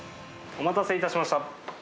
お待たせいたしました。